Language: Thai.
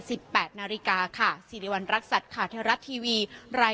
สิบแปดนาริกาค่ะสีลิวันรักษัตริย์ค่ะธรัฐทีวีราย